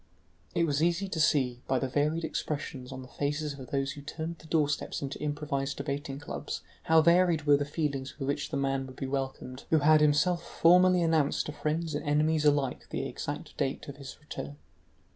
It was easy to see, by the varied expressions on the faces of those who turned the doorsteps into improvised debating clubs, how varied were the feelings with which the man would be welcomed who had himself formally announced to friends and enemies alike the exact date of his return.